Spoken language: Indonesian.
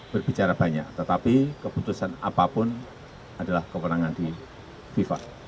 berbicara banyak tetapi keputusan apapun adalah kewenangan di fifa